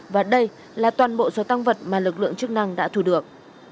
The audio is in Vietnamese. và đây là toàn bộ số tăng vật mà lực lượng chức năng đã thu được